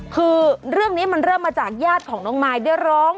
คือเรื่องนี้มันเริ่มมาจากญาติของน้องมายได้ร้อง